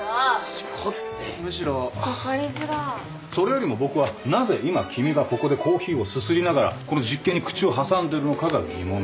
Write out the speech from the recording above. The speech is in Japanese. それよりも僕はなぜ今君がここでコーヒーをすすりながらこの実験に口を挟んでるのかが疑問だ。